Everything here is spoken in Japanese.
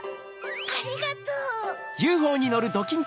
ありがとう。